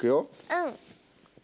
うん。